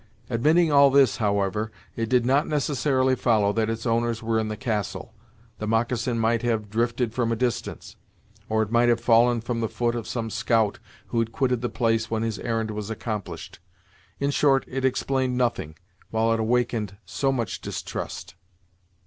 Admitting all this, however, it did not necessarily follow that its owners were in the castle. The moccasin might have drifted from a distance, or it might have fallen from the foot of some scout, who had quitted the place when his errand was accomplished. In short it explained nothing, while it awakened so much distrust.